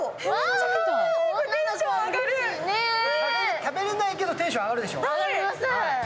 食べれないけどテンション上がるでしょう。